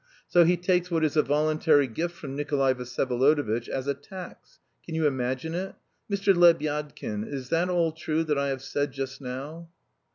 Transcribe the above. So he takes what is a voluntary gift from Nikolay Vsyevolodovitch as a tax can you imagine it? Mr. Lebyadkin, is that all true that I have said just now?"